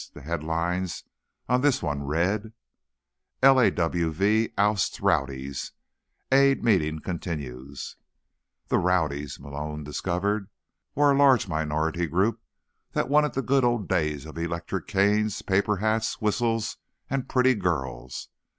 The headline on this one read: LAWV OUSTS 'ROWDIES': AID MEETING CONTINUES The "rowdies," Malone discovered, were a large minority group that wanted the good old days of electric canes, paper hats, whistles and pretty girls.